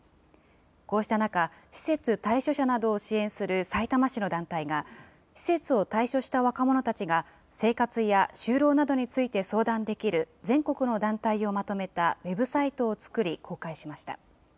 こうした中、施設退所者などを支援するさいたま市の団体が、施設を退所した若者たちが、生活や就労などについて相談できる全国の団体をまとめたウェブサイトを作り、公開しました。